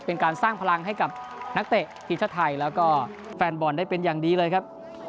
เป็นการสร้างพลังให้กับนักเตะทีมชาติไทยแล้วก็แฟนบอลได้เป็นอย่างดีเลยครับ